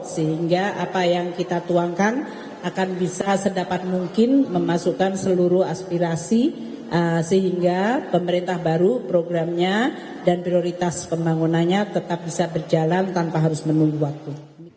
sehingga pemerintah baru programnya dan prioritas pembangunannya tetap bisa berjalan tanpa harus menunggu waktu